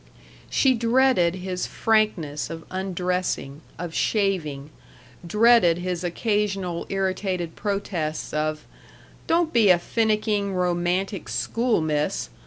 She dreaded his frankness of undressing, of shaving; dreaded his occasional irritated protests of "Don't be a finicking, romantic school miss.